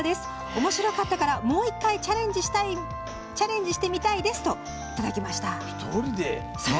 おもしろかったからもう１回チャレンジしてみたいです」といただきました。